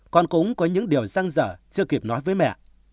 con cũng có những điều răng dở chưa kịp nói với mẹ